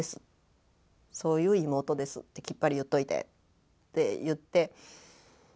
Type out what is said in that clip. そういう妹ですってきっぱり言っといてって言って。